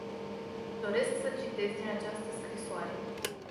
Doresc să citez din această scrisoare.